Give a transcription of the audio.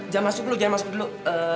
jangan masuk dulu jangan masuk